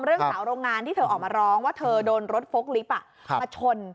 เรื่องสาวโรงงานที่เธอออกมาร้องว่าเธอโดนรถฟกลิฟต์มาชน